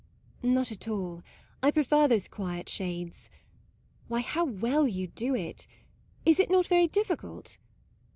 " Not at all; I prefer those quiet shades. Why, how well you do it : is it not very difficult?